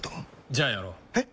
じゃあやろう。え？